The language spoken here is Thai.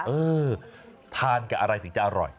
เออทานกับอะไรถึงจะอร่อย